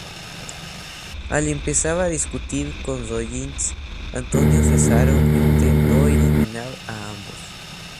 Al empezar a discutir con Rollins, Antonio Cesaro intentó eliminar a ambos.